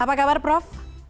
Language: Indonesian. apa kabar prof